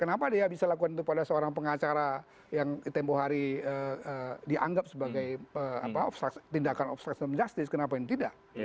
kenapa dia bisa lakukan itu pada seorang pengacara yang tempoh hari dianggap sebagai tindakan obstruction of justice kenapa ini tidak